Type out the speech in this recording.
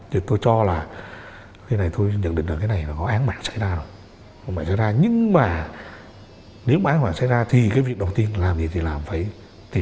thì tôi cho là cái này tôi nhận định là cái này có án mạng xảy ra rồi không phải xảy ra nhưng mà nếu mà án mạng xảy ra thì cái việc đầu tiên làm gì thì làm phải tìm ra cái tử thi